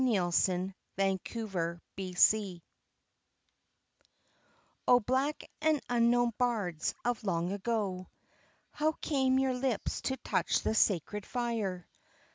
O BLACK AND UNKNOWN BARDS O black and unknown bards of long ago, How came your lips to touch the sacred fire?